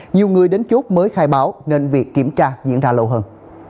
nhiều người đến chốt mới khai báo nên việc kiểm tra diễn ra lâu hơn